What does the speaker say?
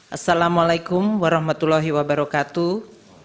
assalamu alaikum warahmatullahi wabarakatuh